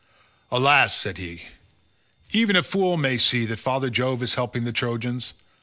"Alas," said he, "even a fool may see that father Jove is helping the Trojans.